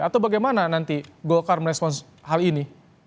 atau bagaimana nanti golkar merespons hal ini